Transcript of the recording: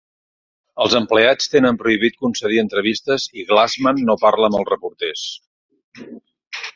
Els empleats tenen prohibit concedir entrevistes i Glassman no parla amb els reporters.